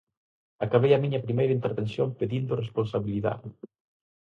Acabei a miña primeira intervención pedindo responsabilidade.